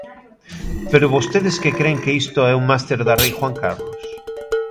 ¡Pero vostedes que cren que isto é un máster da Rei Juan Carlos!